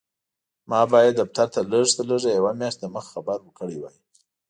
ما باید دفتر ته لږ تر لږه یوه میاشت دمخه خبر ورکړی وای.